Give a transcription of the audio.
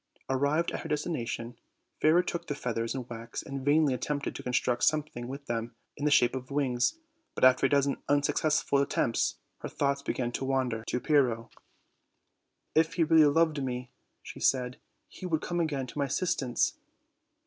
Arrived at her destination, Fairer took the feathers and wax, and vainly attempted to construct something with them in the shape of wings; but after a dozen un successful attempts, her thoughts began to wander t<> 44 OLD, OLD FAIRJ TALES. Pyrrho. "If he really loved me," she said, "he would corne again to my assistance."